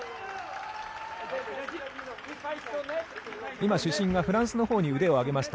今、主審がフランスのほうに腕を上げました。